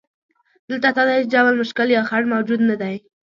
دلته تا ته هیڅ ډول مشکل یا خنډ موجود نه دی.